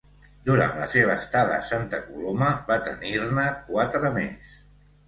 Durant la seva estada a Santa Coloma van tenir-ne quatre més.